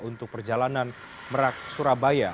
untuk perjalanan merak surabaya